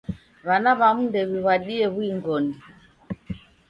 W'ana w'amu ndew'iw'adie w'uing'oni.